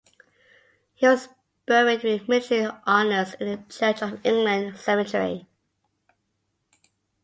He was buried with military honours in the Church of England cemetery.